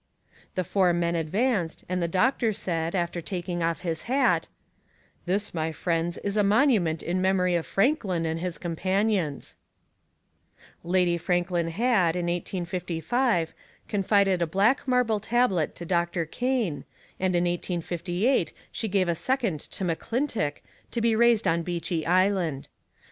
The four men advanced, and the doctor said, after taking off his hat "This, my friends, is a monument in memory of Franklin and his companions." Lady Franklin had, in 1855, confided a black marble tablet to Doctor Kane, and in 1858 she gave a second to McClintock to be raised on Beechey Island.